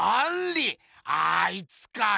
あいつか！